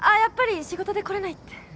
やっぱり仕事で来れないって。